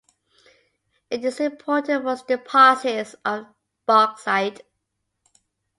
It is important for its deposits of bauxite.